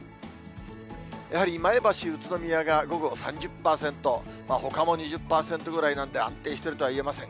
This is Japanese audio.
やはり前橋、宇都宮が午後３０％、ほかも２０％ぐらいなんで、安定しているとは言えません。